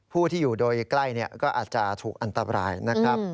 ผู้ที่อยู่โดยใกล้ก็อาจจะถูกอันตรายนะครับ